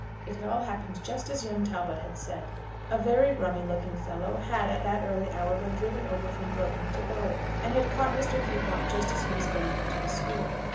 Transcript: It had all happened just as young Talbot had said. A very "rummy looking fellow" had at that early hour been driven over from Broughton to Bowick, and had caught Mr. Peacocke just as he was going into the school.